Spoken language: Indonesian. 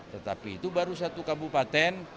tetapi itu baru satu kabupaten